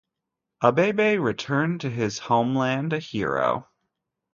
Abebe returned to his homeland a hero.